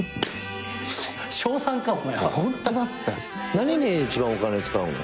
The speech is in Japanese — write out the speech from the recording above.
何に一番お金使うの？